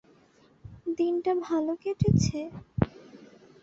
দিনটা ভালো কেটেছে?